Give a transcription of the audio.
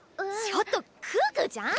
ちょっと可可ちゃん